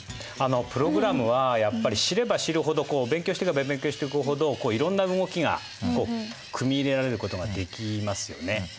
プログラムはやっぱり知れば知るほど勉強していけば勉強していくほどいろんな動きが組み入れられることができますよね。